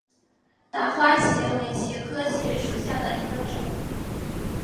大花茄为茄科茄属下的一个种。